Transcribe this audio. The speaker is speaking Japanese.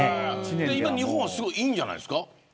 じゃあ日本はすごくいいんじゃないですか。